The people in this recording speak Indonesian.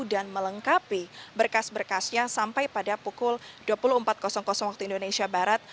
dan melengkapi berkas berkasnya sampai pada pukul dua puluh empat waktu indonesia barat